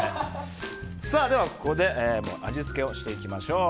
では、ここで味付けをしていきましょう。